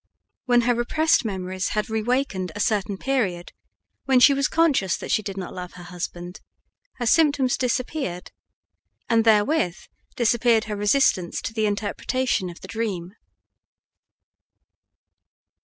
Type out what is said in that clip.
When her repressed memories had rewakened a certain period when she was conscious that she did not love her husband, her symptoms disappeared, and therewith disappeared her resistance to the interpretation of the dream.